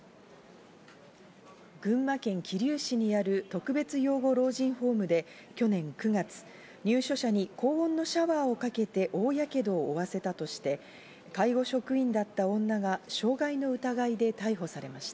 群馬県桐生市にある特別養護老人ホームで去年９月、入所者に高温のシャワーをかけて大やけどを負わせたとして、介護職員だった女が傷害の疑いで逮捕されました。